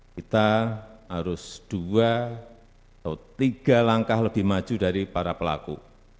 kita harus dua atau tiga langkah lebih maju dari para pelaku